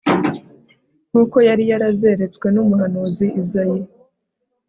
nk'uko yari yarazeretswe n'umuhanuzi izay